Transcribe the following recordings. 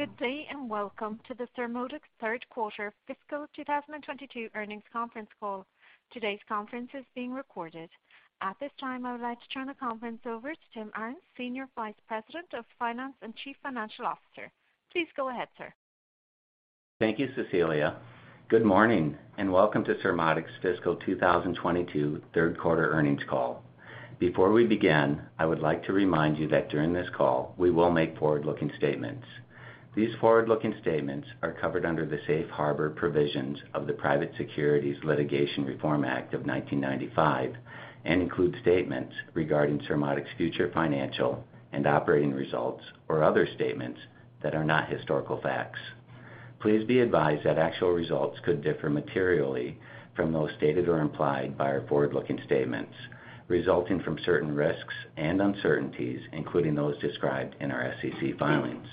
Good day, and welcome to the Surmodics Q3 FY2022 earnings conference call. Today's conference is being recorded. At this time, I would like to turn the conference over to Timothy Arens, Senior Vice President of Finance and Chief Financial Officer. Please go ahead, sir. Thank you, Cecilia. Good morning, and welcome to Surmodics FY2022 Q3 Earnings Call. Before we begin, I would like to remind you that during this call we will make forward-looking statements. These forward-looking statements are covered under the safe harbor provisions of the Private Securities Litigation Reform Act of 1995, and include statements regarding Surmodics future financial and operating results or other statements that are not historical facts. Please be advised that actual results could differ materially from those stated or implied by our forward-looking statements, resulting from certain risks and uncertainties, including those described in our SEC filings.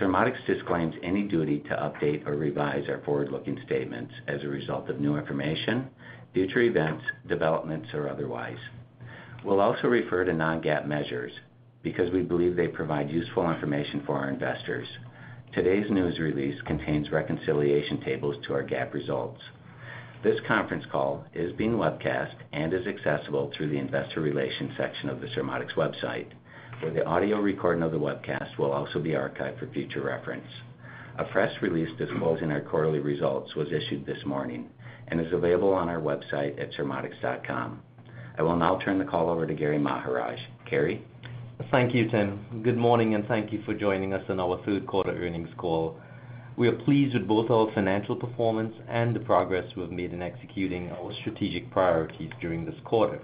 Surmodics disclaims any duty to update or revise our forward-looking statements as a result of new information, future events, developments, or otherwise. We'll also refer to non-GAAP measures because we believe they provide useful information for our investors. Today's news release contains reconciliation tables to our GAAP results. This conference call is being webcast and is accessible through the investor relations section of the Surmodics website, where the audio recording of the webcast will also be archived for future reference. A press release disclosing our quarterly results was issued this morning and is available on our website at surmodics.com. I will now turn the call over to Gary Maharaj. Gary. Thank you, Tim. Good morning, and thank you for joining us on our Q3 earnings call. We are pleased with both our financial performance and the progress we have made in executing our strategic priorities during this quarter.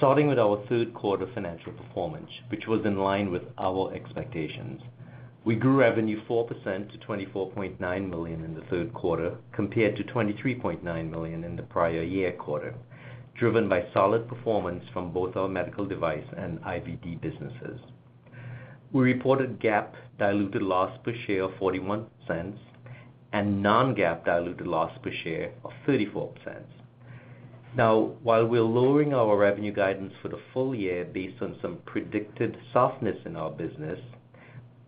Starting with our Q3 financial performance, which was in line with our expectations. We grew revenue 4% to $24.9 million in the Q3, compared to $23.9 million in the prior year quarter, driven by solid performance from both our medical device and IVD businesses. We reported GAAP diluted loss per share of $0.41 and non-GAAP diluted loss per share of $0.34. Now, while we're lowering our revenue guidance for the full-year based on some predicted softness in our business,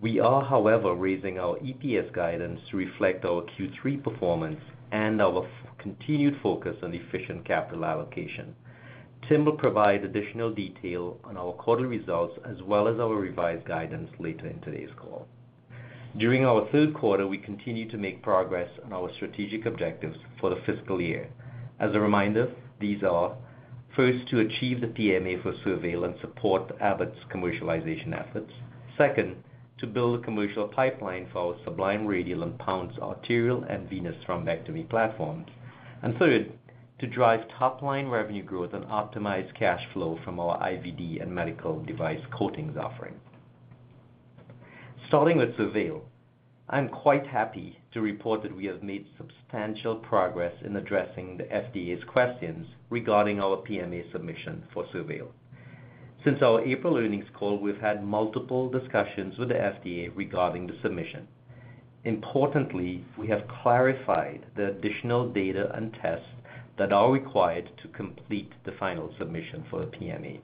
we are, however, raising our EPS guidance to reflect our Q3 performance and our continued focus on efficient capital allocation. Tim will provide additional detail on our quarterly results as well as our revised guidance later in today's call. During our Q3, we continued to make progress on our strategic objectives for the FY. As a reminder, these are, first, to achieve the PMA for SurVeil to support Abbott's commercialization efforts. Second, to build a commercial pipeline for our Sublime Radial and Pounce arterial and venous thrombectomy platforms. Third, to drive top-line revenue growth and optimize cash flow from our IVD and medical device coatings offerings. Starting with SurVeil, I'm quite happy to report that we have made substantial progress in addressing the FDA's questions regarding our PMA submission for SurVeil. Since our April earnings call, we've had multiple discussions with the FDA regarding the submission. Importantly, we have clarified the additional data and tests that are required to complete the final submission for the PMA.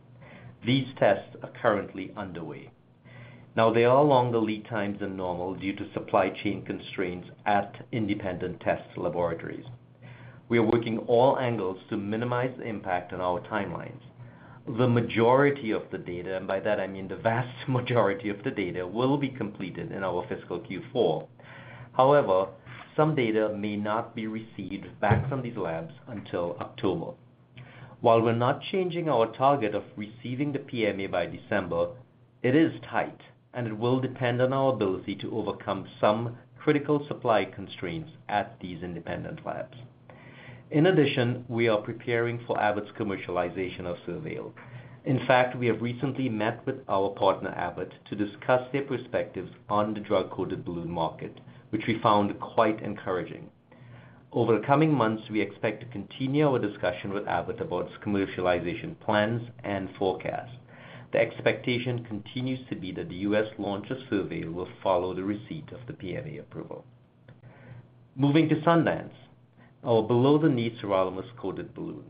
These tests are currently underway. Now, they have longer lead times than normal due to supply chain constraints at independent test laboratories. We are working all angles to minimize the impact on our timelines. The majority of the data, and by that I mean the vast majority of the data, will be completed in our fiscal Q4. However, some data may not be received back from these labs until October. While we're not changing our target of receiving the PMA by December, it is tight, and it will depend on our ability to overcome some critical supply constraints at these independent labs. In addition, we are preparing for Abbott's commercialization of SurVeil. In fact, we have recently met with our partner, Abbott, to discuss their perspectives on the drug-coated balloon market, which we found quite encouraging. Over the coming months, we expect to continue our discussion with Abbott about its commercialization plans and forecasts. The expectation continues to be that the U.S. launch of SurVeil will follow the receipt of the PMA approval. Moving to Sundance, our below-the-knee sirolimus-coated balloon.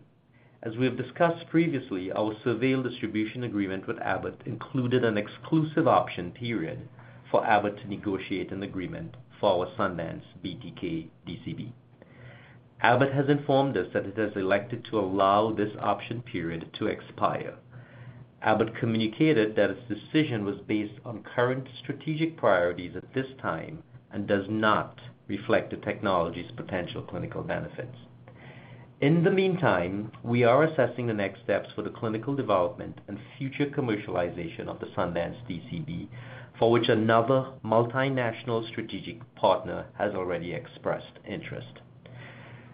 As we have discussed previously, our SurVeil distribution agreement with Abbott included an exclusive option period for Abbott to negotiate an agreement for our Sundance BTK DCB. Abbott has informed us that it has elected to allow this option period to expire. Abbott communicated that its decision was based on current strategic priorities at this time and does not reflect the technology's potential clinical benefits. In the meantime, we are assessing the next steps for the clinical development and future commercialization of the Sundance DCB, for which another multinational strategic partner has already expressed interest.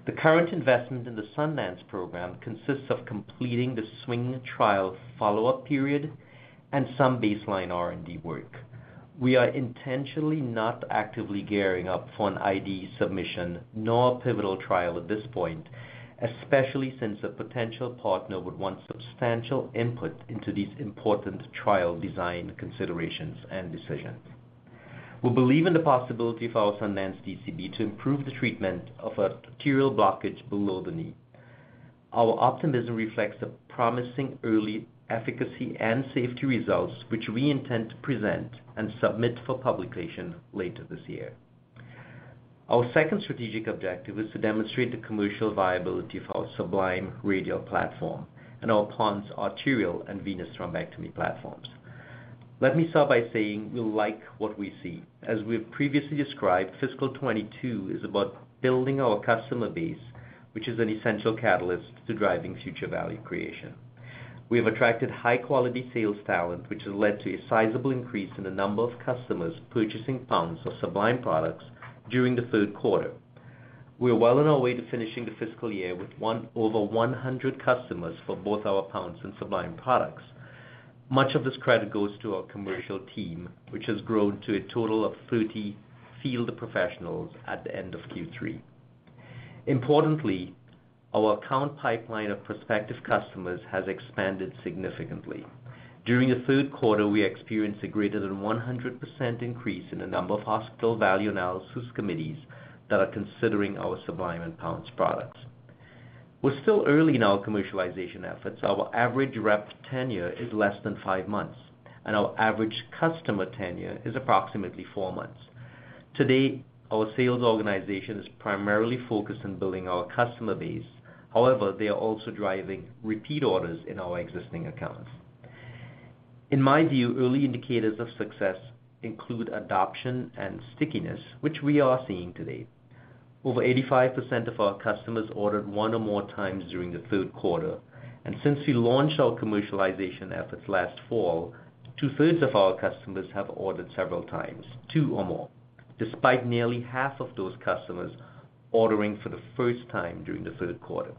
The current investment in the Sundance program consists of completing the SWING trial follow-up period and some baseline R&D work. We are intentionally not actively gearing up for an IDE submission nor a pivotal trial at this point, especially since a potential partner would want substantial input into these important trial design considerations and decisions. We believe in the possibility of our Sundance DCB to improve the treatment of arterial blockage below the knee. Our optimism reflects the promising early efficacy and safety results, which we intend to present and submit for publication later this year. Our second strategic objective is to demonstrate the commercial viability of our Sublime radial platform and our Pounce arterial and venous thrombectomy platforms. Let me start by saying we like what we see. As we have previously described, fiscal 2022 is about building our customer base, which is an essential catalyst to driving future value creation. We have attracted high-quality sales talent, which has led to a sizable increase in the number of customers purchasing Pounce or Sublime products during the Q3. We are well on our way to finishing the fiscal year with over 100 customers for both our Pounce and Sublime products. Much of this credit goes to our commercial team, which has grown to a total of 30 field professionals at the end of Q3. Importantly, our account pipeline of prospective customers has expanded significantly. During the Q3, we experienced a greater than 100% increase in the number of hospital value analysis committees that are considering our Sublime and Pounce products. We're still early in our commercialization efforts. Our average rep tenure is less than five months, and our average customer tenure is approximately four months. To date, our sales organization is primarily focused on building our customer base. However, they are also driving repeat orders in our existing accounts. In my view, early indicators of success include adoption and stickiness, which we are seeing to date. Over 85% of our customers ordered one or more times during the Q3. Since we launched our commercialization efforts last fall, two-thirds of our customers have ordered several times, two or more, despite nearly half of those customers ordering for the first time during the Q3.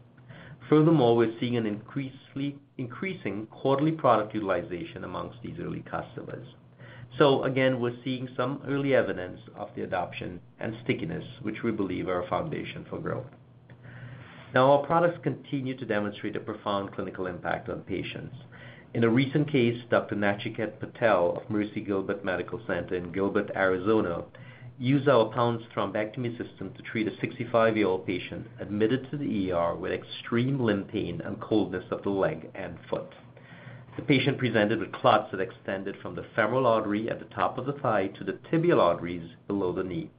Furthermore, we're seeing increasing quarterly product utilization among these early customers. Again, we're seeing some early evidence of the adoption and stickiness, which we believe are a foundation for growth. Our products continue to demonstrate a profound clinical impact on patients. In a recent case, Dr. Nachiket Patel of Mercy Gilbert Medical Center in Gilbert, Arizona, used our Pounce thrombectomy system to treat a 65-year-old patient admitted to the ER with extreme limb pain and coldness of the leg and foot. The patient presented with clots that extended from the femoral artery at the top of the thigh to the tibial arteries below the knee,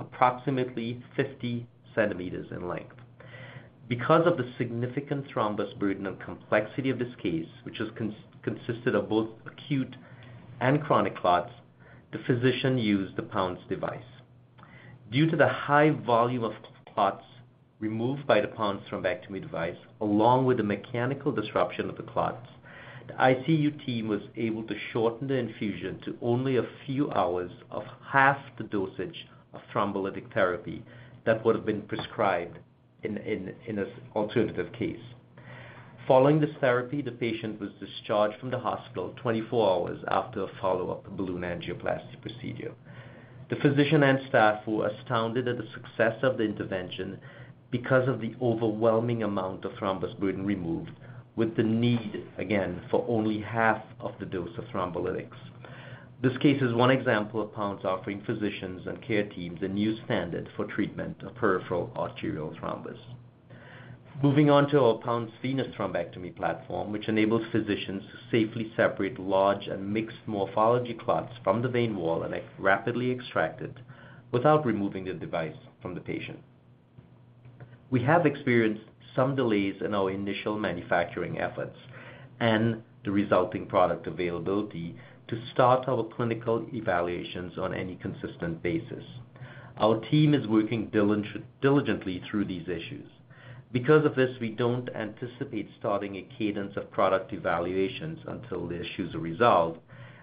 approximately 50 centimeters. Because of the significant thrombus burden and complexity of this case, which consisted of both acute and chronic clots, the physician used the Pounce device. Due to the high volume of clots removed by the Pounce thrombectomy device, along with the mechanical disruption of the clots, the ICU team was able to shorten the infusion to only a few hours of half the dosage of thrombolytic therapy that would have been prescribed in an alternative case. Following this therapy, the patient was discharged from the hospital 24 hours after a follow-up balloon angioplasty procedure. The physician and staff were astounded at the success of the intervention because of the overwhelming amount of thrombus burden removed with the need, again, for only half of the dose of thrombolytics. This case is one example of Pounce offering physicians and care teams a new standard for treatment of peripheral arterial thrombus. Moving on to our Pounce Venous Thrombectomy Platform, which enables physicians to safely separate large and mixed morphology clots from the vein wall and rapidly extract it without removing the device from the patient. We have experienced some delays in our initial manufacturing efforts and the resulting product availability to start our clinical evaluations on any consistent basis. Our team is working diligently through these issues. Because of this, we don't anticipate starting a cadence of product evaluations until the issues are resolved,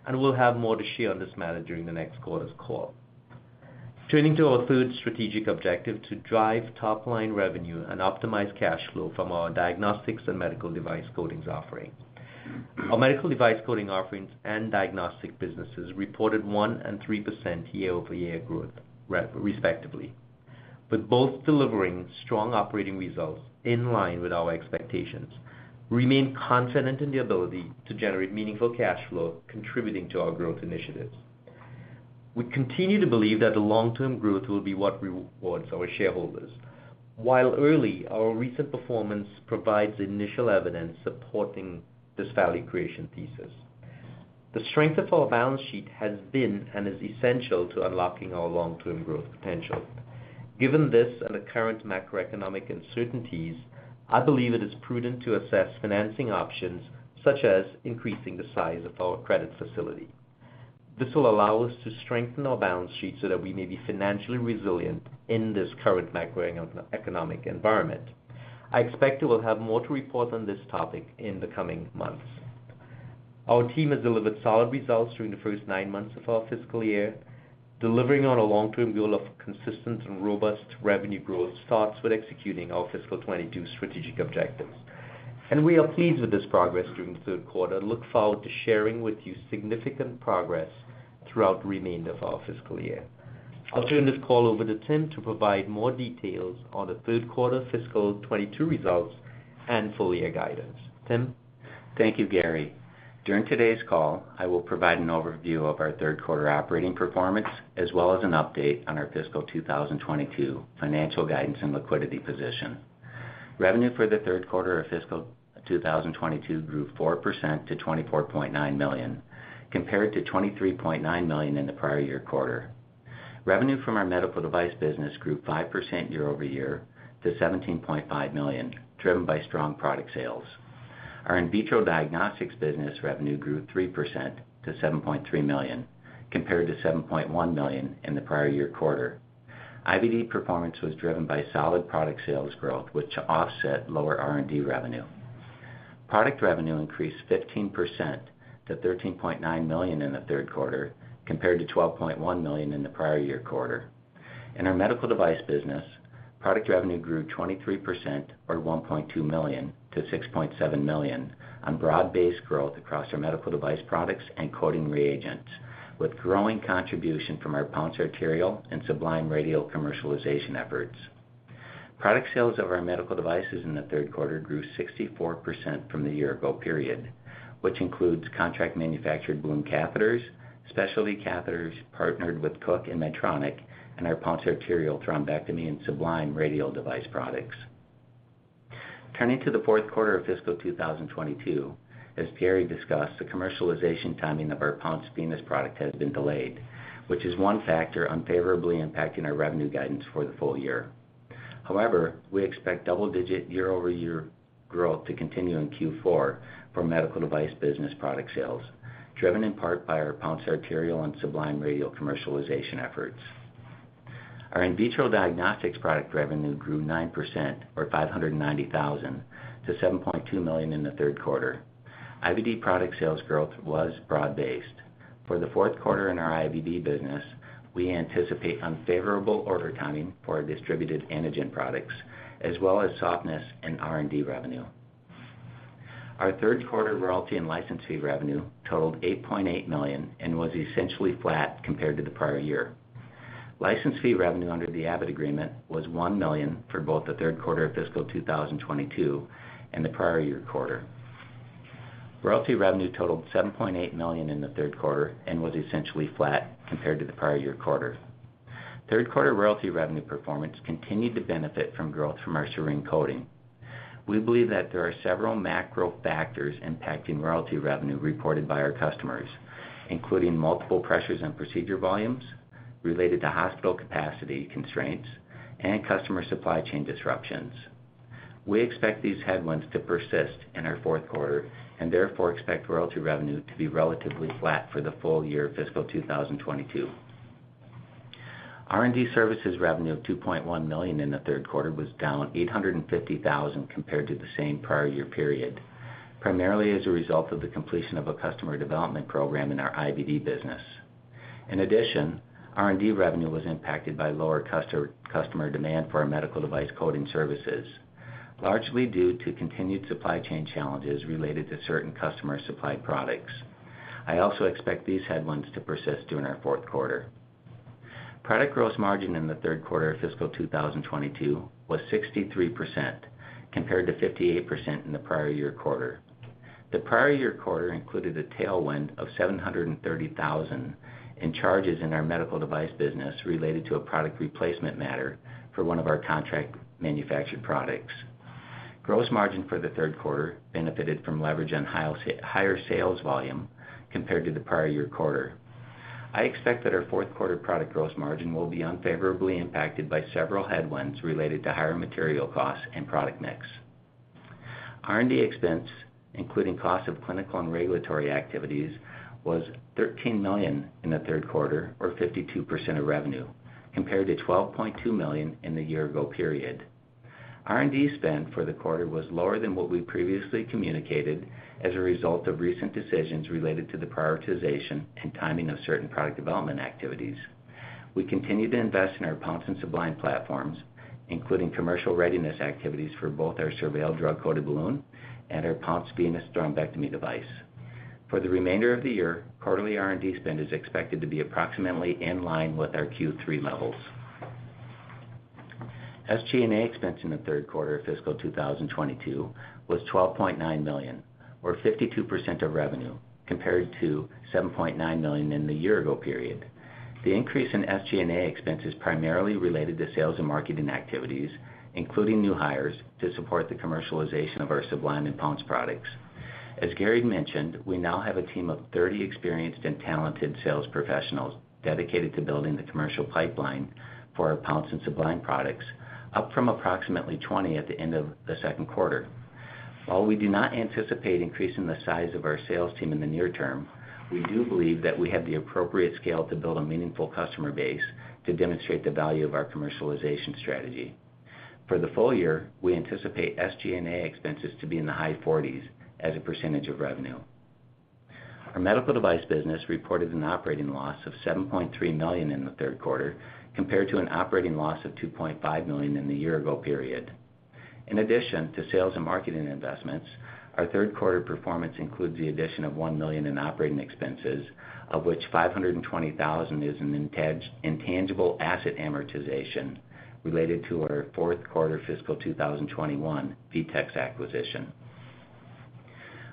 and we'll have more to share on this matter during the next quarter's call. Turning to our third strategic objective, to drive top-line revenue and optimize cash flow from our diagnostics and medical device coatings offering. Our medical device coating offerings and diagnostic businesses reported 1% and 3% year-over-year growth respectively, with both delivering strong operating results in line with our expectations. We remain confident in the ability to generate meaningful cash flow contributing to our growth initiatives. We continue to believe that the long-term growth will be what rewards our shareholders. While early, our recent performance provides initial evidence supporting this value creation thesis. The strength of our balance sheet has been and is essential to unlocking our long-term growth potential. Given this and the current macroeconomic uncertainties, I believe it is prudent to assess financing options such as increasing the size of our credit facility. This will allow us to strengthen our balance sheet so that we may be financially resilient in this current macroeconomic environment. I expect we will have more to report on this topic in the coming months. Our team has delivered solid results during the first nine months of our FY. Delivering on a long-term goal of consistent and robust revenue growth starts with executing our FY2022 strategic objectives. We are pleased with this progress during the Q3 and look forward to sharing with you significant progress throughout the remainder of our fiscal year. I'll turn this call over to Tim Arens to provide more details on the Q3 FY2022 results and full-year guidance. Tim? Thank you, Gary. During today's call, I will provide an overview of our Q3 operating performance, as well as an update on our FY2022 financial guidance and liquidity position. Revenue for the Q3 of FY2022 grew 4% to $24.9 million, compared to $23.9 million in the prior year quarter. Revenue from our medical device business grew 5% year-over-year to $17.5 million, driven by strong product sales. Our in vitro diagnostics business revenue grew 3% to $7.3 million, compared to $7.1 million in the prior year quarter. IVD performance was driven by solid product sales growth, which offset lower R&D revenue. Product revenue increased 15% to $13.9 million in the Q3, compared to $12.1 million in the prior year quarter. In our medical device business, product revenue grew 23% or $1.2 million to $6.7 million on broad-based growth across our medical device products and coating reagents, with growing contribution from our Pounce Arterial and Sublime Radial commercialization efforts. Product sales of our medical devices in the Q3 grew 64% from the year ago period, which includes contract manufactured balloon catheters, specialty catheters partnered with Cook and Medtronic, and our Pounce Arterial Thrombectomy and Sublime Radial device products. Turning to the fourth quarter of FY2022, as Gary Maharaj discussed, the commercialization timing of our Pounce Venous product has been delayed, which is one factor unfavorably impacting our revenue guidance for the full year. However, we expect double-digit year-over-year growth to continue in Q4 for medical device business product sales, driven in part by our Pounce Arterial and Sublime Radial commercialization efforts. Our in vitro diagnostics product revenue grew 9% or $590,000 to $7.2 million in the Q3. IVD product sales growth was broad-based. For the Q4 in our IVD business, we anticipate unfavorable order timing for our distributed antigen products as well as softness in R&D revenue. Our Q3 royalty and license fee revenue totaled $8.8 million and was essentially flat compared to the prior year. License fee revenue under the Abbott agreement was $1 million for both the Q3 of FY2022 and the prior year quarter. Royalty revenue totaled $7.8 million in the Q3 and was essentially flat compared to the prior year quarter. Third quarter royalty revenue performance continued to benefit from growth from our Serene coating. We believe that there are several macro factors impacting royalty revenue reported by our customers, including multiple pressures on procedure volumes related to hospital capacity constraints and customer supply chain disruptions. We expect these headwinds to persist in our fourth quarter and therefore expect royalty revenue to be relatively flat for the full-year FY2022. R&D services revenue of $2.1 million in the Q3 was down $850,000 compared to the same prior year period, primarily as a result of the completion of a customer development program in our IVD business. In addition, R&D revenue was impacted by lower customer demand for our medical device coding services, largely due to continued supply chain challenges related to certain customer supply products. I also expect these headwinds to persist during our Q4. Product gross margin in the Q3 of FY2022 was 63% compared to 58% in the prior year quarter. The prior year quarter included a tailwind of $730,000 in charges in our medical device business related to a product replacement matter for one of our contract manufactured products. Gross margin for the Q3 benefited from leverage on higher sales volume compared to the prior year quarter. I expect that our Q4 product gross margin will be unfavorably impacted by several headwinds related to higher material costs and product mix. R&D expense, including cost of clinical and regulatory activities, was $13 million in the Q3 or 52% of revenue compared to $12.2 million in the year ago period. R&D spend for the quarter was lower than what we previously communicated as a result of recent decisions related to the prioritization and timing of certain product development activities. We continue to invest in our Pounce and Sublime platforms, including commercial readiness activities for both our SurVeil drug-coated balloon and our Pounce Venous thrombectomy device. For the remainder of the year, quarterly R&D spend is expected to be approximately in line with our Q3 levels. SG&A expense in the Q3 of FY2022 was $12.9 million or 52% of revenue compared to $7.9 million in the year-ago period. The increase in SG&A expense is primarily related to sales and marketing activities, including new hires to support the commercialization of our Sublime and Pounce products. As Gary mentioned, we now have a team of 30 experienced and talented sales professionals dedicated to building the commercial pipeline for our Pounce and Sublime products, up from approximately 20 at the end of the Q2. While we do not anticipate increasing the size of our sales team in the near term, we do believe that we have the appropriate scale to build a meaningful customer base to demonstrate the value of our commercialization strategy. For the full-year, we anticipate SG&A expenses to be in the high 40% of revenue. Our medical device business reported an operating loss of $7.3 million in the Q3 compared to an operating loss of $2.5 million in the year ago period. In addition to sales and marketing investments, our Q3 performance includes the addition of $1 million in operating expenses, of which $520,000 is an intangible asset amortization related to our Q4 FY2021 Vetex acquisition.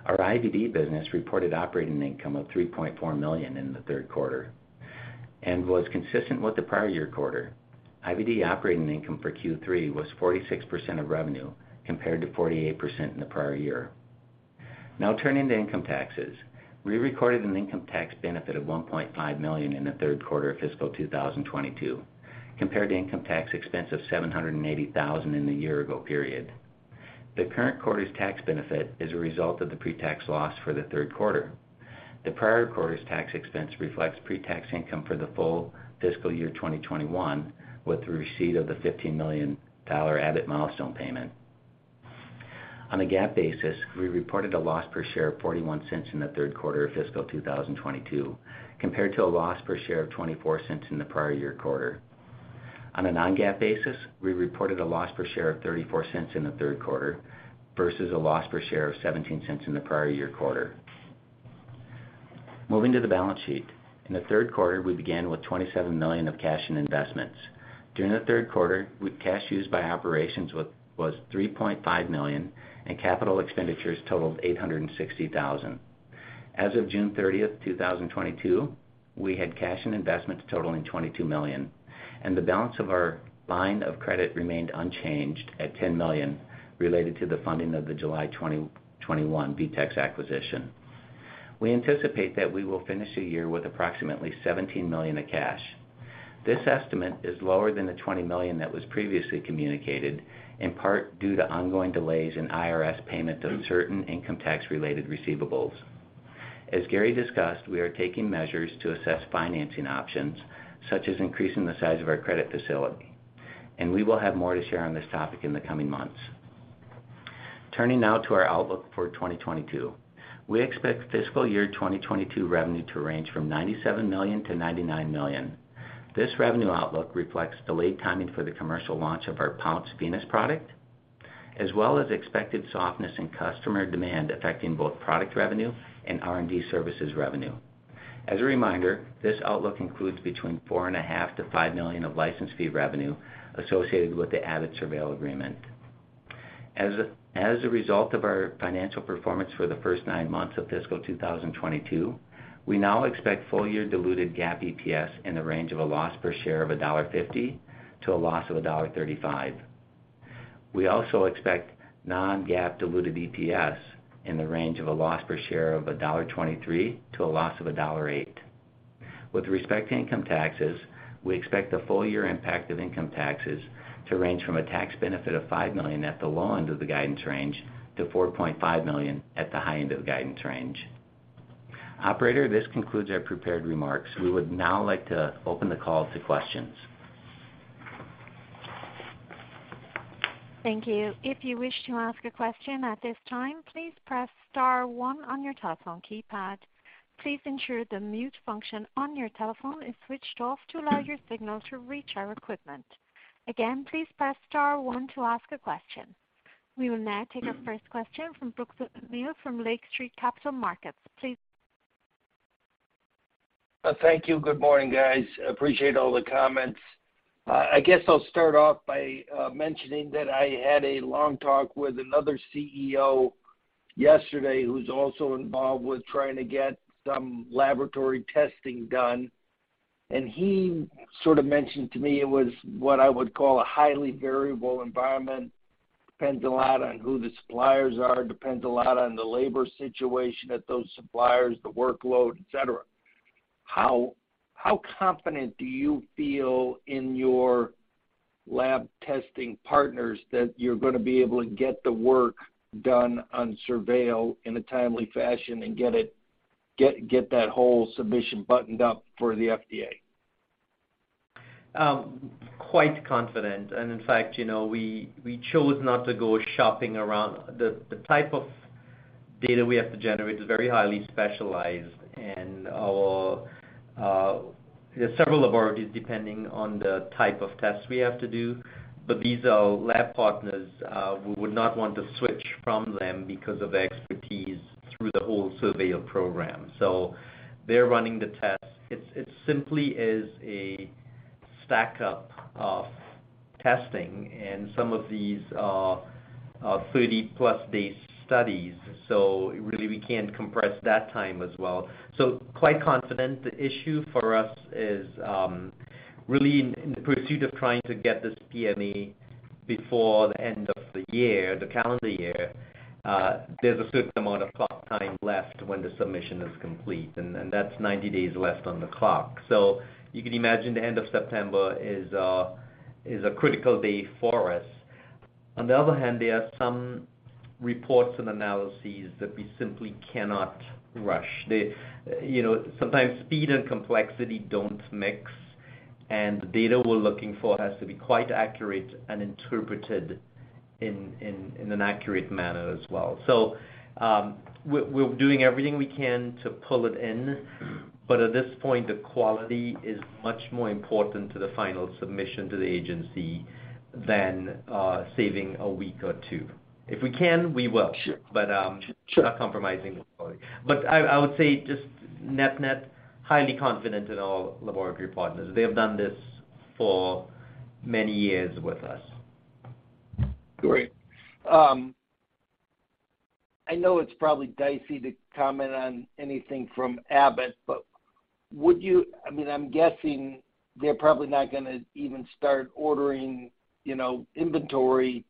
Our IVD business reported operating income of $3.4 million in the Q3 and was consistent with the prior-year quarter. IVD operating income for Q3 was 46% of revenue compared to 48% in the prior year. Now turning to income taxes. We recorded an income tax benefit of $1.5 million in the Q3 of FY2022 compared to income tax expense of $780,000 in the year-ago period. The current quarter's tax benefit is a result of the pre-tax loss for the Q3. The prior quarter's tax expense reflects pre-tax income for the full FY2021 with the receipt of the $15 million Abbott milestone payment. On a GAAP basis, we reported a loss per share of $0.41 in the Q3 of FY2022 compared to a loss per share of $0.24 in the prior year quarter. On a non-GAAP basis, we reported a loss per share of $0.34 in the Q3 versus a loss per share of $0.17 in the prior year quarter. Moving to the balance sheet. In the Q3, we began with $27 million of cash and investments. During the Q3, cash used by operations was $3.5 million, and capital expenditures totaled $860,000. As of June 30, 2022, we had cash and investments totaling $22 million, and the balance of our line of credit remained unchanged at $10 million related to the funding of the July 2021 Vetex acquisition. We anticipate that we will finish the year with approximately $17 million of cash. This estimate is lower than the $20 million that was previously communicated, in part due to ongoing delays in IRS payment of certain income tax-related receivables. As Gary discussed, we are taking measures to assess financing options, such as increasing the size of our credit facility, and we will have more to share on this topic in the coming months. Turning now to our outlook for 2022. We expect fiscal year 2022 revenue to range from $97 million to $99 million. This revenue outlook reflects delayed timing for the commercial launch of our Pounce Venous product, as well as expected softness in customer demand affecting both product revenue and R&D services revenue. As a reminder, this outlook includes between $4.5 million and $5 million of license fee revenue associated with the Abbott SurVeil agreement. As a result of our financial performance for the first nine months of FY2022, we now expect full year diluted GAAP EPS in the range of a loss per share of $1.50 to a loss of $1.35. We also expect non-GAAP diluted EPS in the range of a loss per share of $1.23 to a loss of $1.08. With respect to income taxes, we expect the full year impact of income taxes to range from a tax benefit of $5 million at the low end of the guidance range to $4.5 million at the high end of the guidance range. Operator, this concludes our prepared remarks. We would now like to open the call to questions. Thank you. If you wish to ask a question at this time, please press star one on your telephone keypad. Please ensure the mute function on your telephone is switched off to allow your signal to reach our equipment. Again, please press star one to ask a question. We will now take our first question from Brooks O'Neil from Lake Street Capital Markets. Please go ahead. Thank you. Good morning, guys. Appreciate all the comments. I guess I'll start off by mentioning that I had a long talk with another CEO yesterday who's also involved with trying to get some laboratory testing done. He sort of mentioned to me it was what I would call a highly variable environment, depends a lot on who the suppliers are, depends a lot on the labor situation at those suppliers, the workload, et cetera. How confident do you feel in your lab testing partners that you're gonna be able to get the work done on SurVeil in a timely fashion and get that whole submission buttoned up for the FDA? Quite confident. In fact, you know, we chose not to go shopping around. The type of data we have to generate is very highly specialized and there's several laboratories depending on the type of tests we have to do. But these are lab partners we would not want to switch from them because of their expertise through the whole SurVeil program. They're running the tests. It's simply is a stackup of testing and some of these are 30-plus day studies. Really we can't compress that time as well. Quite confident. The issue for us is really in the pursuit of trying to get this PMA before the end of the year, the calendar year, there's a certain amount of clock time left when the submission is complete, and that's 90 days left on the clock. You can imagine the end of September is a critical day for us. On the other hand, there are some reports and analyses that we simply cannot rush. Sometimes speed and complexity don't mix, and the data we're looking for has to be quite accurate and interpreted in an accurate manner as well. We're doing everything we can to pull it in, but at this point, the quality is much more important to the final submission to the agency than saving a week or two. If we can, we will. Sure. But, um- Sure. not compromising the quality. I would say just net-net, highly confident in our laboratory partners. They have done this for many years with us. Great. I know it's probably dicey to comment on anything from Abbott, but would you, I mean, I'm guessing they're probably not gonna even start ordering, you know, inventory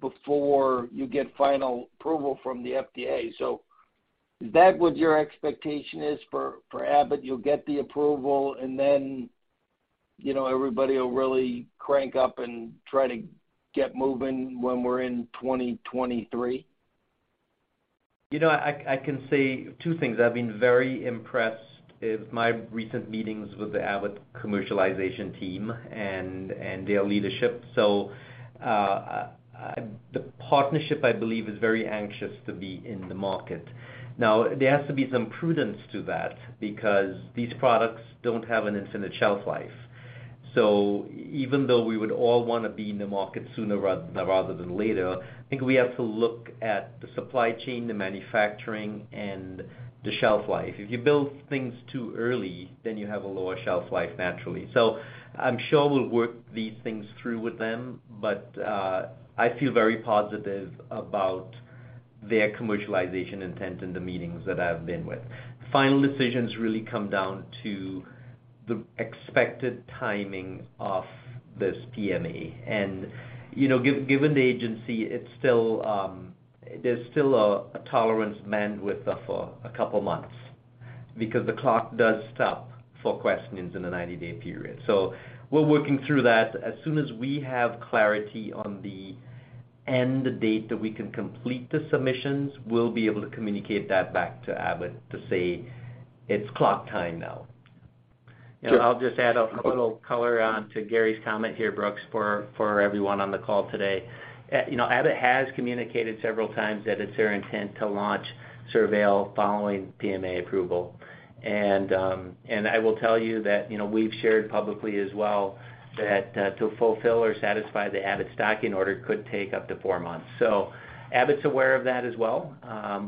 before you get final approval from the FDA. Is that what your expectation is for Abbott? You'll get the approval and then, you know, everybody will really crank up and try to get moving when we're in 2023? I can say two things. I've been very impressed in my recent meetings with the Abbott commercialization team and their leadership. The partnership, I believe, is very anxious to be in the market. Now, there has to be some prudence to that because these products don't have an infinite shelf life. Even though we would all wanna be in the market sooner rather than later, I think we have to look at the supply chain, the manufacturing, and the shelf life. If you build things too early, then you have a lower shelf life naturally. I'm sure we'll work these things through with them, but I feel very positive about their commercialization intent in the meetings that I've been with. Final decisions really come down to the expected timing of this PMA. Given the agency, it's still, there's still a tolerance bandwidth of a couple months because the clock does stop for questions in a 90-day period. We're working through that. As soon as we have clarity on the end date that we can complete the submissions, we'll be able to communicate that back to Abbott to say, "It's clock time now. I'll just add a little color on to Gary's comment here, Brooks, for everyone on the call today. Abbott has communicated several times that it's their intent to launch SurVeil following PMA approval. I will tell you that, you know, we've shared publicly as well that to fulfill or satisfy the Abbott stocking order could take up to four months. Abbott's aware of that as well,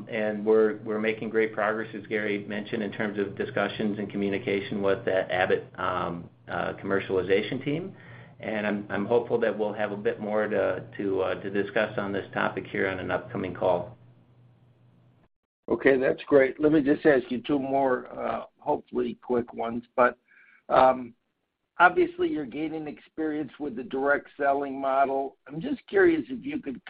and we're making great progress, as Gary mentioned, in terms of discussions and communication with the Abbott commercialization team. I'm hopeful that we'll have a bit more to discuss on this topic here on an upcoming call. Okay, that's great. Let me just ask you two more, hopefully quick ones. Obviously you're gaining experience with the direct selling model. I'm just curious if you could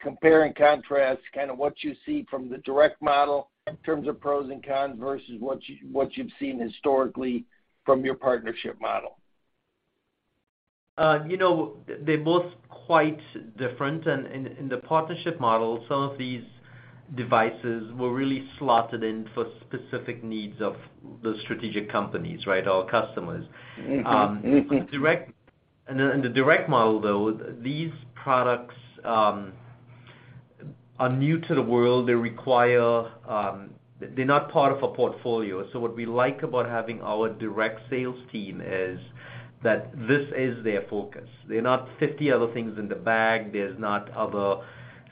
compare and contrast kinda what you see from the direct model in terms of pros and cons versus what you've seen historically from your partnership model. They're both quite different. In the partnership model, some of these devices were really slotted in for specific needs of the strategic companies, right, our customers. Mm-hmm. Mm-hmm. In the direct model though, these products are new to the world. They require. They're not part of a portfolio. What we like about having our direct sales team is that this is their focus. There are not 50 other things in the bag. There's not other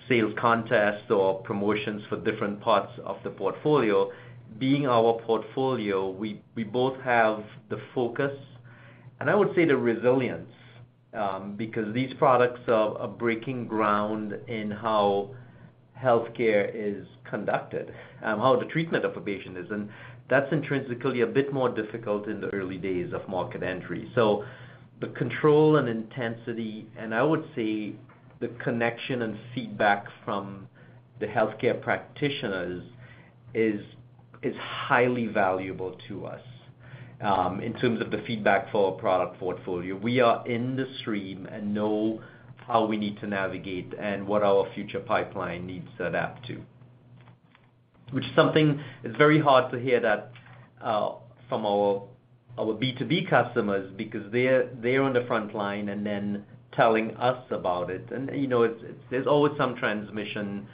sales contests or promotions for different parts of the portfolio. Being our portfolio, we both have the focus, and I would say the resilience, because these products are breaking ground in how healthcare is conducted, how the treatment of a patient is. That's intrinsically a bit more difficult in the early days of market entry. The control and intensity, and I would say the connection and feedback from the healthcare practitioners is highly valuable to us, in terms of the feedback for our product portfolio. We are in the stream and know how we need to navigate and what our future pipeline needs to adapt to. Which is something it's very hard to hear that from our B2B customers because they're on the front line and then telling us about it. It's, there's always some transmission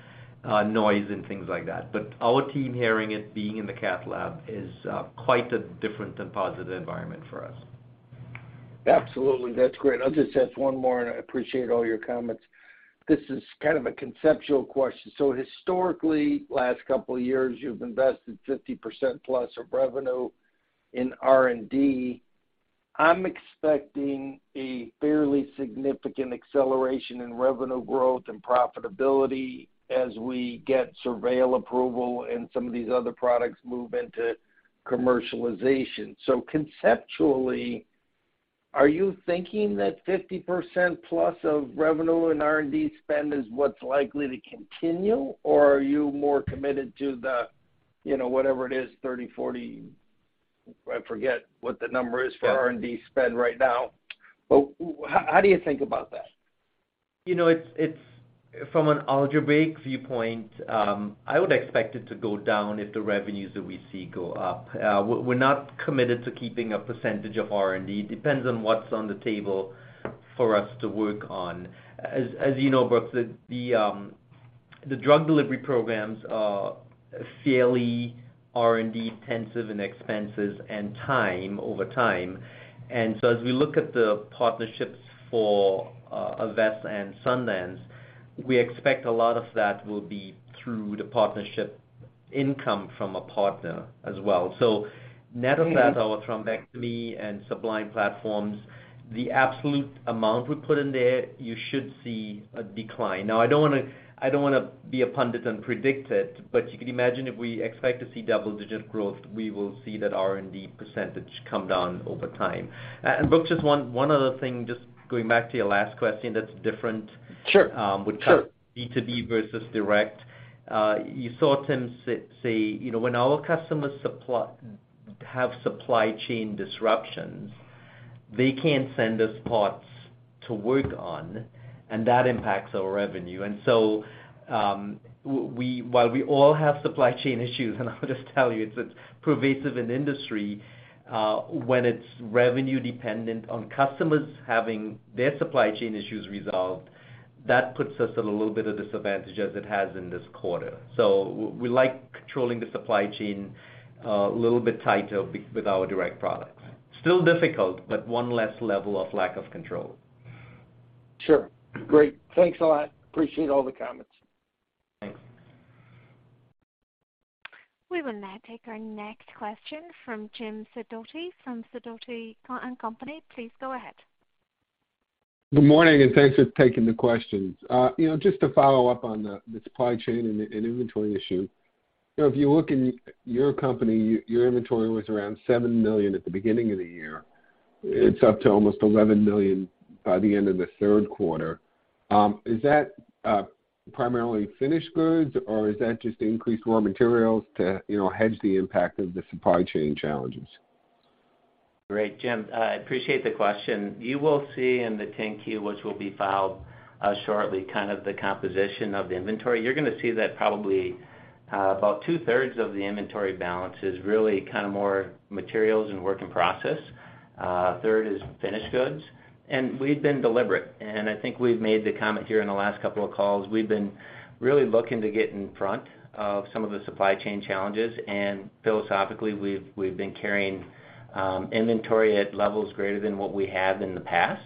noise and things like that. Our team hearing it, being in the cath lab is quite a different and positive environment for us. Absolutely. That's great. I'll just ask one more, and I appreciate all your comments. This is kind of a conceptual question. Historically, last couple years, you've invested 50% plus of revenue in R&D. I'm expecting a fairly significant acceleration in revenue growth and profitability as we get SurVeil approval and some of these other products move into commercialization. Conceptually, are you thinking that 50% plus of revenue in R&D spend is what's likely to continue? Or are you more committed to the, you know, whatever it is, 30%, 40%. I forget what the number is for R&D spend right now. How do you think about that? From an algebraic viewpoint, I would expect it to go down if the revenues that we see go up. We're not committed to keeping a percentage of R&D. Depends on what's on the table for us to work on. As you know, Brooks, the drug delivery programs are fairly R&D intensive in expenses and time, over time. As we look at the partnerships for AVess and Sundance, we expect a lot of that will be through the partnership income from a partner as well. Net of that, our thrombectomy and Sublime platforms, the absolute amount we put in there, you should see a decline. Now, I don't wanna be a pundit and predict it, but you can imagine if we expect to see double-digit growth, we will see that R&D percentage come down over time. Brooks, just one other thing, just going back to your last question that's different. Sure. With B2B versus direct. You saw Tim say, when our customers have supply chain disruptions, they can't send us parts to work on, and that impacts our revenue. While we all have supply chain issues, and I'll just tell you, it's pervasive in the industry, when it's revenue dependent on customers having their supply chain issues resolved, that puts us at a little bit of disadvantage as it has in this quarter. We like controlling the supply chain a little bit tighter with our direct products. Still difficult, but one less level of lack of control. Sure. Great. Thanks a lot. Appreciate all the comments. Thanks. We will now take our next question from James Sidoti from Sidoti & Company. Please go ahead. Good morning, and thanks for taking the questions. You know, just to follow up on the supply chain and inventory issue. If you look in your company, your inventory was around $7 million at the beginning of the year. It's up to almost $11 million by the end of the Q3. Is that primarily finished goods, or is that just increased raw materials to, you know, hedge the impact of the supply chain challenges? Great, Jim. I appreciate the question. You will see in the upcoming 10-Q filing, which will be filed shortly, kind of the composition of the inventory. You're gonna see that probably about two-thirds of the inventory balance is really kind of more materials and work in process. A third is finished goods. We've been deliberate, and I think we've made the comment here in the last couple of calls. We've been really looking to get in front of some of the supply chain challenges. Philosophically, we've been carrying inventory at levels greater than what we have in the past.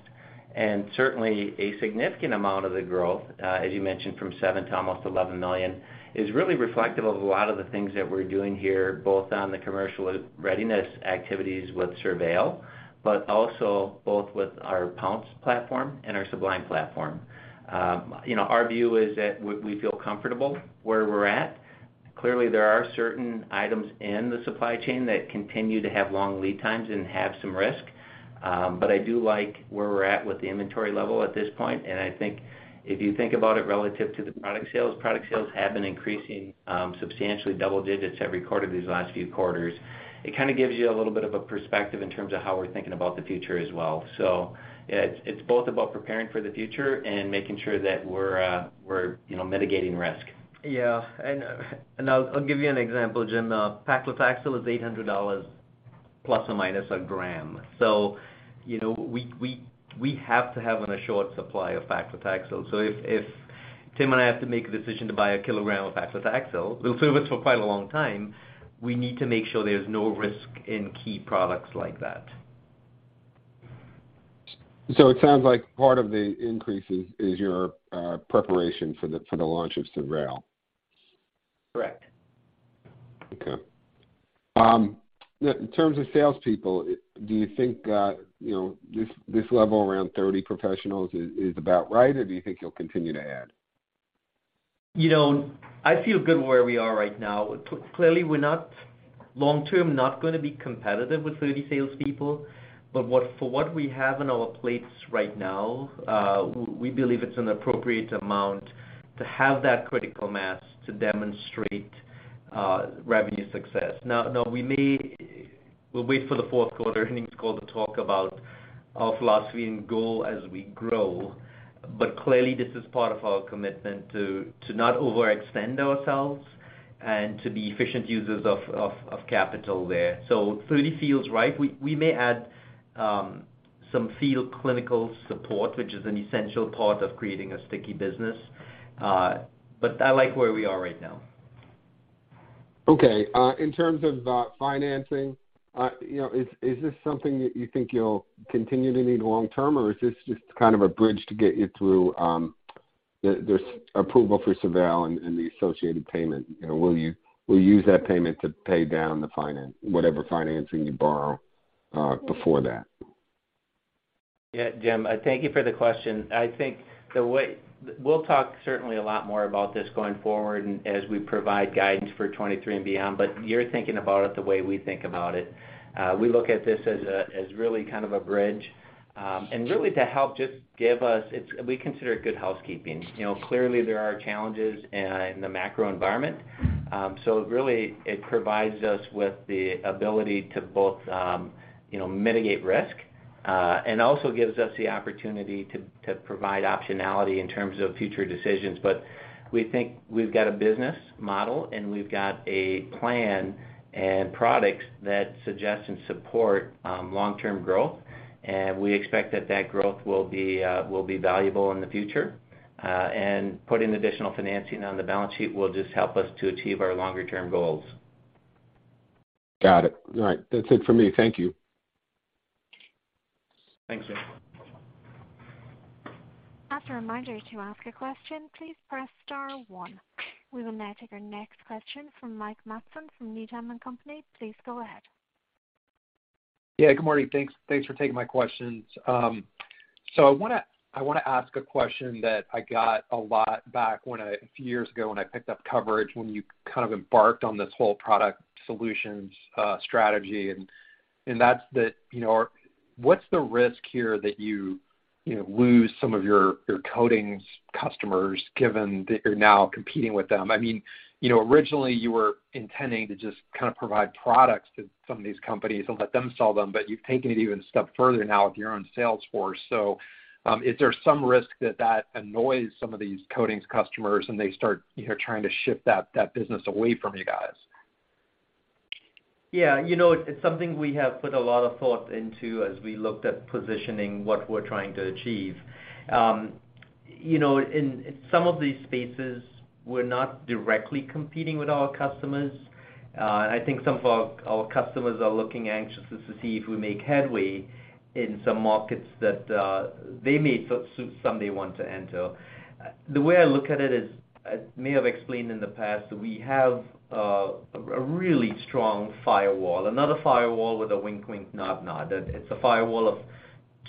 Certainly a significant amount of the growth, as you mentioned, from $7 million to almost $11 million, is really reflective of a lot of the things that we're doing here, both on the commercial readiness activities with SurVeil, but also both with our Pounce platform and our Sublime platform. You know, our view is that we feel comfortable where we're at. Clearly, there are certain items in the supply chain that continue to have long lead times and have some risk. I do like where we're at with the inventory level at this point. I think if you think about it relative to the product sales, product sales have been increasing, substantially double digits every quarter these last few quarters. It kinda gives you a little bit of a perspective in terms of how we're thinking about the future as well. It's both about preparing for the future and making sure that we're, mitigating risk. Yeah. I'll give you an example, Tim. Paclitaxel costapproximately $800 per gram. We have to have a short supply of paclitaxel. If Tim and I have to make a decision to buy a kilogram of paclitaxel, it'll serve us for quite a long time. We need to make sure there's no risk in key products like that. It sounds like part of the increase is your preparation for the launch of SurVeil. Correct. Okay. In terms of salesforce, do you think, this level around 30 professionals is about right, or do you think you'll continue to add? I feel good where we are right now. Clearly, we're not long-term gonna be competitive with 30-person salesforce. For what we have on our plates right now, we believe it's an appropriate amount to have that critical mass to demonstrate revenue success. Now we'll wait for the fourth quarter earnings call to talk about our philosophy and goal as we grow. Clearly, this is part of our commitment to not overextend ourselves and to be efficient users of capital there. 30 representatives feels right. We may add some field clinical support, which is an essential part of creating a sticky business. I like where we are right now. Okay. In terms of financing, you know, is this something that you think you'll continue to need long term, or is this just kind of a bridge to get you through this approval for SurVeil and the associated payment? Will you use that payment to pay down whatever financing you borrow before that? Yeah. Jim, thank you for the question. I think the way we'll talk certainly a lot more about this going forward and as we provide guidance for 2023 and beyond, but you're thinking about it the way we think about it. We look at this as really kind of a bridge. Sure We consider it good housekeeping. You know, clearly there are challenges in the macro environment. Really it provides us with the ability to both, you know, mitigate risk, and also gives us the opportunity to provide optionality in terms of future decisions. We think we've got a business model, and we've got a plan and products that suggest and support long-term growth. We expect that growth will be valuable in the future. Putting additional financing on the balance sheet will just help us to achieve our longer-term goals. Got it. All right. That's it for me. Thank you. Thanks, James. As a reminder, to ask a question, please press star one. We will now take our next question from Mike Matson from Needham & Company. Please go ahead. Yeah, good morning. Thanks for taking my questions. I wanna ask a question that I got a lot back when a few years ago when I picked up coverage, when you kind of embarked on this whole product solutions strategy and that's that, you know, what's the risk here that you know lose some of your coatings customers, given that you're now competing with them? I mean, you know, originally, you were intending to just kind of provide products to some of these companies and let them sell them, but you've taken it even a step further now with your own sales force. Is there some risk that annoys some of these coatings customers and they start, trying to shift that business away from you guys? Yeah. It's something we have put a lot of thought into as we looked at positioning what we're trying to achieve. In some of these spaces, we're not directly competing with our customers. I think some of our customers are looking anxiously to see if we make headway in some markets that they may someday want to enter. The way I look at it is, I may have explained in the past, we have a really strong firewall. Not a firewall with a wink, nod. It's a firewall of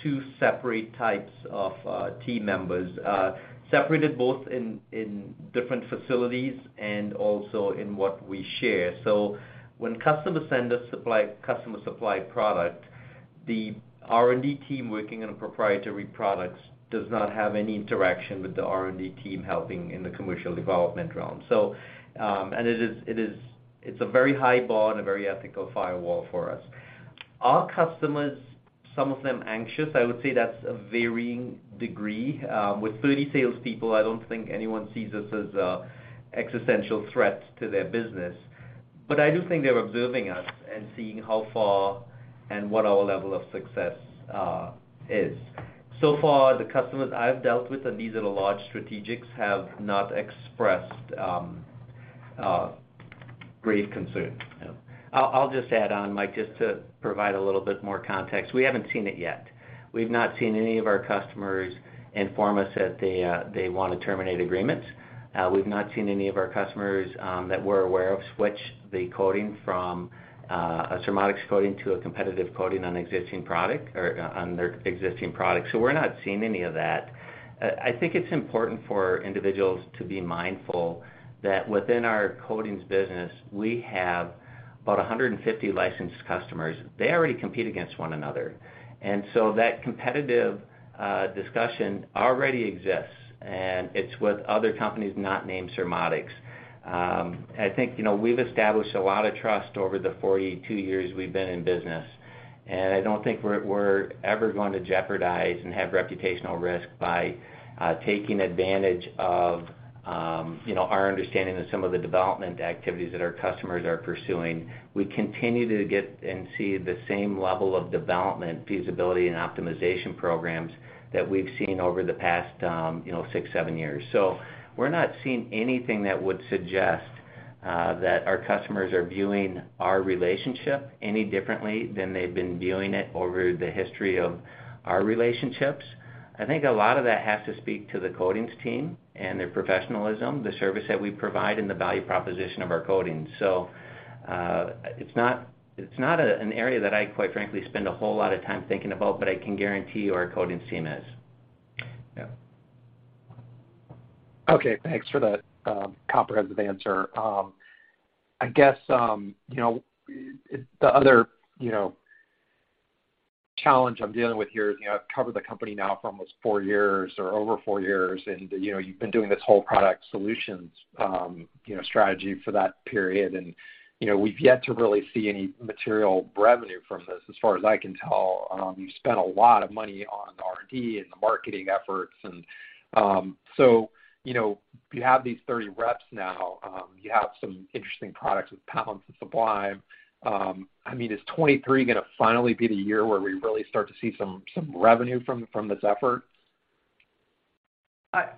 two separate types of team members separated both in different facilities and also in what we share. When customers send us customer-supplied product, the R&D team working on proprietary products does not have any interaction with the R&D team helping in the commercial development realm. It is a very high bar and a very ethical firewall for us. Are customers, some of them, anxious? I would say that's a varying degree. With 30-person salesforce, I don't think anyone sees us as an existential threat to their business. I do think they're observing us and seeing how far and what our level of success is. The customers I've dealt with, and these are the large strategics, have not expressed grave concern. Yeah. I'll just add on, Mike, just to provide a little bit more context. We haven't seen it yet. We've not seen any of our customers inform us that they want to terminate agreements. We've not seen any of our customers that we're aware of switch the coating from a Surmodics coating to a competitive coating on existing product or on their existing products. So we're not seeing any of that. I think it's important for individuals to be mindful that within our coatings business, we have about 150 licensed customers. They already compete against one another. That competitive discussion already exists, and it's with other companies not named Surmodics. I think, we've established a lot of trust over the 42 years we've been in business, and I don't think we're ever going to jeopardize and have reputational risk by taking advantage of our understanding of some of the development activities that our customers are pursuing. We continue to get and see the same level of development, feasibility and optimization programs that we've seen over the past six- seven years. We're not seeing anything that would suggest that our customers are viewing our relationship any differently than they've been viewing it over the history of our relationships. I think a lot of that has to speak to the coatings team and their professionalism, the service that we provide and the value proposition of our coatings. It's not an area that I, quite frankly, spend a whole lot of time thinking about, but I can guarantee you our coatings team is. Yeah. Okay. Thanks for that comprehensive answer. I guess the other challenge I'm dealing with here is ,I've covered the company now for almost four years or over four years, and you've been doing this whole product solutions strategy for that period. You know, we've yet to really see any material revenue from this as far as I can tell. You've spent a lot of money on R&D and the marketing efforts. So you have these 30 representatives now. You have some interesting products with Pounce and Sublime. I mean, is 2023 gonna finally be the year where we really start to see some revenue from this effort?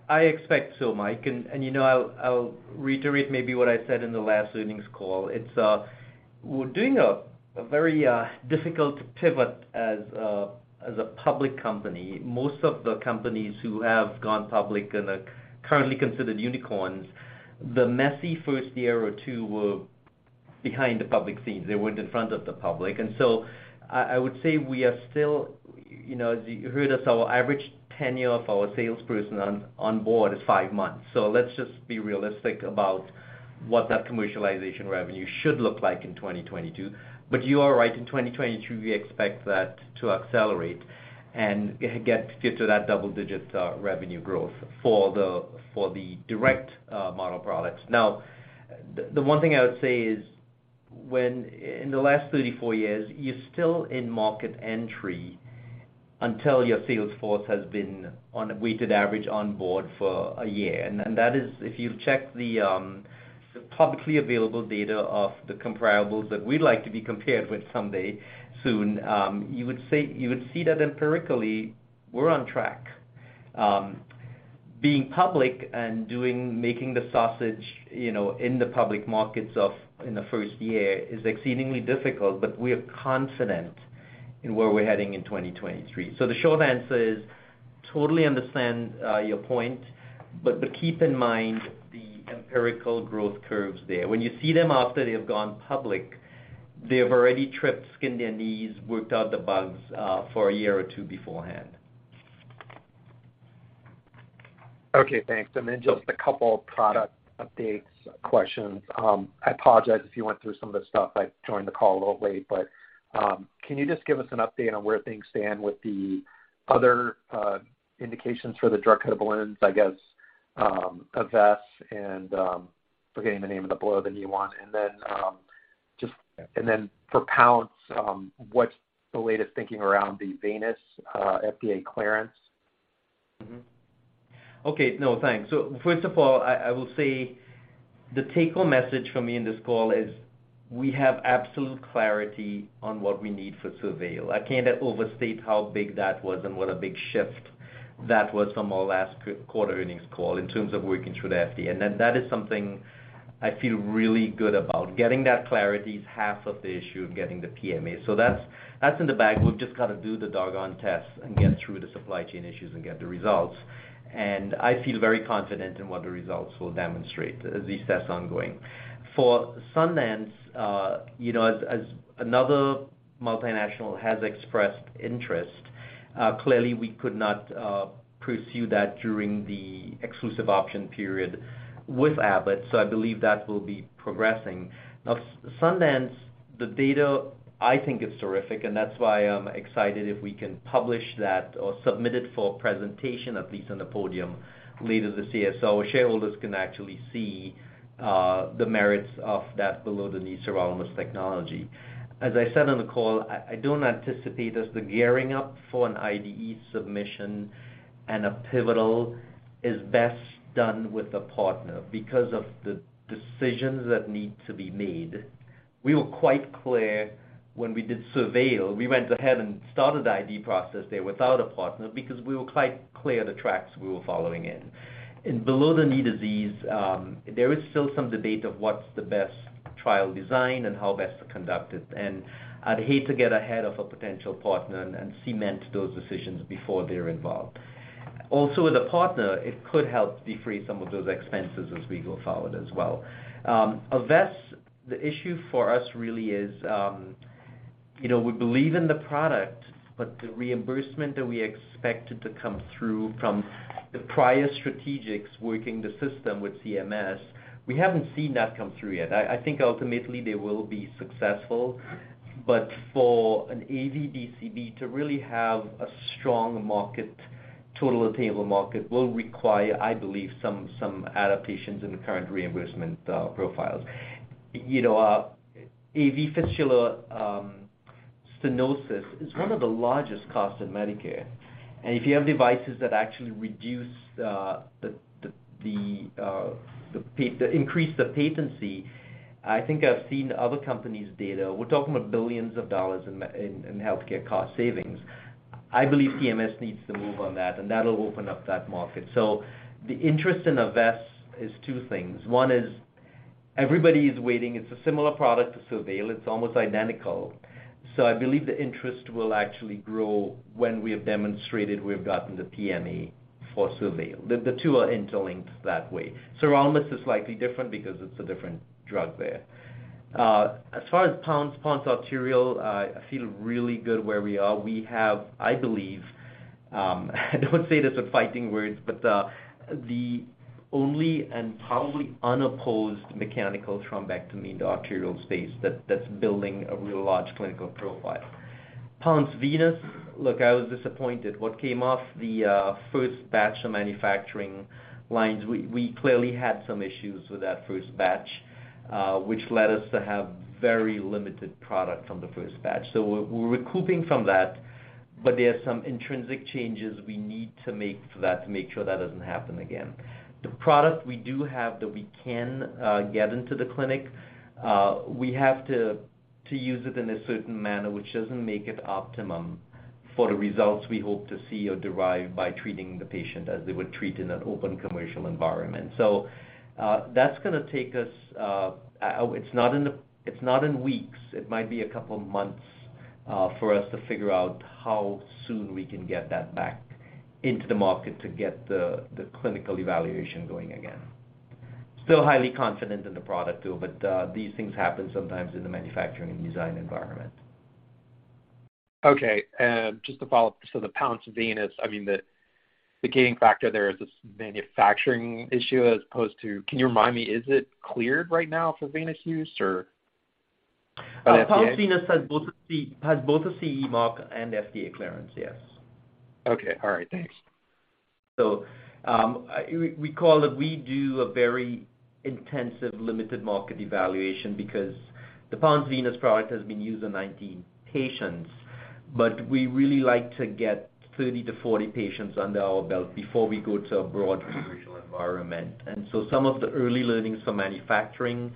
I expect so, Mike. I'll reiterate maybe what I said in the last earnings call. It's. We're doing a very difficult pivot as a public company. Most of the companies who have gone public and are currently considered unicorns, the messy first year or two were behind the public scenes. They weren't in front of the public. I would say we are still. You heard us. Our average tenure of our salesperson on board is five months. Let's just be realistic about what that commercialization revenue should look like in 2022. You are right. In 2022, we expect that to accelerate and get to that double-digit revenue growth for the direct model products. Now, the one thing I would say is when in the last 34 years, you're still in market entry until your sales force has been on a weighted average on board for a year. That is if you check the publicly available data of the comparables that we'd like to be compared with someday soon, you would see that empirically, we're on track. Being public and making the sausage, you know, in the public markets in the first year is exceedingly difficult, but we are confident in where we're heading in 2023. The short answer is, totally understand your point, but keep in mind the empirical growth curves there. When you see them after they have gone public, they have already tripped, skinned their knees, worked out the bugs for a year or two beforehand. Okay. Thanks. Then just a couple product updates questions. I apologize if you went through some of this stuff. I joined the call a little late. But can you just give us an update on where things stand with the other indications for the drug balloons, I guess, AVess and forgetting the name of the below-the-knee one. Then for Pounce, what's the latest thinking around the venous FDA clearance? First of all, I will say the take-home message for me in this call is we have absolute clarity on what we need for SurVeil. I cannot overstate how big that was and what a big shift that was from our last quarter earnings call in terms of working through the FDA. That is something I feel really good about. Getting that clarity is half of the issue of getting the PMA. That's in the bag. We've just gotta do the doggone test and get through the supply chain issues and get the results. I feel very confident in what the results will demonstrate as these tests ongoing. For Sundance, as another multinational has expressed interest, clearly we could not pursue that during the exclusive option period with Abbott, so I believe that will be progressing. Now, Sundance, the data I think is terrific, and that's why I'm excited if we can publish that or submit it for presentation at least on the podium later this year, so our shareholders can actually see the merits of that below-the-knee sirolimus technology. As I said on the call, I don't anticipate as gearing up for an IDE submission and a pivotal is best done with a partner because of the decisions that need to be made. We were quite clear when we did SurVeil. We went ahead and started the IDE process there without a partner because we were quite clear the tracks we were following in. In below-the-knee disease, there is still some debate of what's the best trial design and how best to conduct it. I'd hate to get ahead of a potential partner and cement those decisions before they're involved. Also, with a partner, it could help defray some of those expenses as we go forward as well. AVess, the issue for us really is, we believe in the product, but the reimbursement that we expected to come through from the prior strategics working the system with CMS, we haven't seen that come through yet. I think ultimately they will be successful. For an AV DCB to really have a strong market, total attainable market, will require, I believe, some adaptations in the current reimbursement profiles. You know, AV fistula stenosis is one of the largest costs in Medicare. If you have devices that actually increase the patency, I think I've seen other companies' data. We're talking about $ billions in healthcare cost savings. I believe CMS needs to move on that, and that'll open up that market. The interest in AVess is two things. One is everybody is waiting. It's a similar product to SurVeil. It's almost identical. I believe the interest will actually grow when we have demonstrated we've gotten the PMA for SurVeil. The two are interlinked that way. Sundance is slightly different because it's a different drug there. As far as Pounce Arterial, I feel really good where we are. We have, I believe, I don't wanna say this in fighting words, but, the only and probably unopposed mechanical thrombectomy in the arterial space that's building a real large clinical profile. Pounce Venous, look, I was disappointed. What came off the first batch of manufacturing lines, we clearly had some issues with that first batch, which led us to have very limited product from the first batch. So we're recouping from that, but there are some intrinsic changes we need to make for that to make sure that doesn't happen again. The product we do have that we can get into the clinic, we have to use it in a certain manner which doesn't make it optimum for the results we hope to see or derive by treating the patient as they would treat in an open commercial environment. That's gonna take us. It's not in weeks. It might be a couple months for us to figure out how soon we can get that back into the market to get the clinical evaluation going again. Still highly confident in the product too, but these things happen sometimes in the manufacturing and design environment. Okay. Just to follow up. The Pounce Venous, I mean, the gating factor there is this manufacturing issue as opposed to. Can you remind me, is it cleared right now for venous use or? Pounce Venous has both a CE mark and FDA clearance, yes. Okay. All right, thanks. Recall that we do a very intensive limited market evaluation because the Pounce Venous product has been used on 19 patients, but we really like to get 30-40 patients under our belt before we go to a broad commercial environment. Some of the early learnings from manufacturing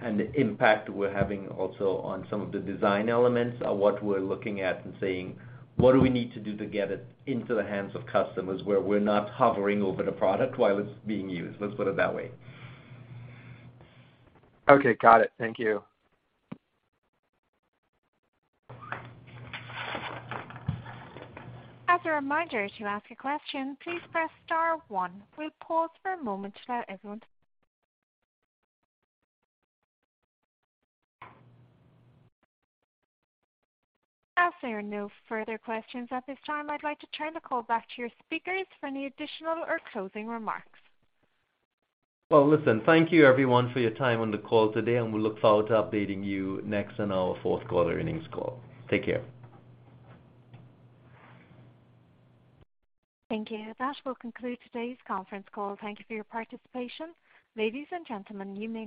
and the impact we're having also on some of the design elements are what we're looking at and saying, "What do we need to do to get it into the hands of customers where we're not hovering over the product while it's being used?" Let's put it that way. Okay. Got it. Thank you. As a reminder, to ask a question, please press star one. We'll pause for a moment to allow everyone. As there are no further questions at this time, I'd like to turn the call back to your speakers for any additional or closing remarks. Well, listen. Thank you everyone for your time on the call today, and we look forward to updating you next on our fourth-quarter earnings call. Take care. Thank you. That will conclude today's conference call. Thank you for your participation. Ladies and gentlemen, you may disconnect.